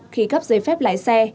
khi cấp dây phép lái xe